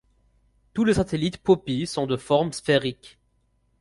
Tous les satellites Poppy sont de forme sphériques.